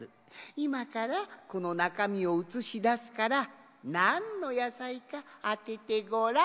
いまからこのなかみをうつしだすからなんのやさいかあててごらん。